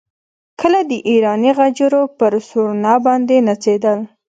کله د ایراني غجرو پر سورنا باندې نڅېدل.